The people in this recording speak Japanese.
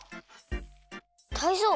タイゾウ。